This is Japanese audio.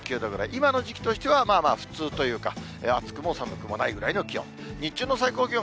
今の時期としてはまあまあ普通というか、暑くも寒くもないぐらいの気温。